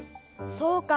そうか。